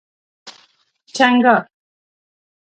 🦀 چنګاښ